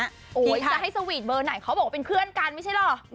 คุณจะให้สวีทเบอร์ไหนเขาบอกว่าเป็นเพื่อนกันไม่ใช่เหรอ